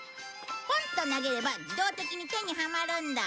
ポンッと投げれば自動的に手にはまるんだ。